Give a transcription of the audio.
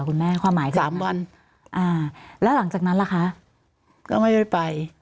คุณแม่ความหมายถึงสามวันอ่าแล้วหลังจากนั้นล่ะคะก็ไม่ได้ไป